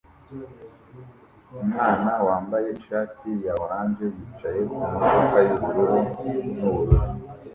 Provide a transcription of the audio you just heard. Umwana wambaye ishati ya orange yicaye kumodoka yubururu nubururu